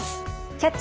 「キャッチ！